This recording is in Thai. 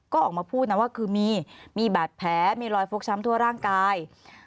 ก็ออกมาพูดนะว่าคือมีบาดแผลมีรอยฟกช้ำทั่วร่างกาย